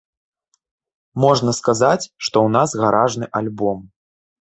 Можна сказаць, што ў нас гаражны альбом.